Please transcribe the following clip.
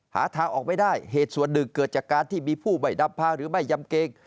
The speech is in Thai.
หาทางออกไม่ได้เหตุส่วนหนึ่งเกิดจากการที่มีผู้ไม่ดับพาหรือไม่ยำเกง